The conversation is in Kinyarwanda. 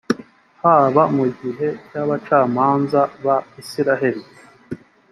haba mu gihe cy abacamanza ba isirayeli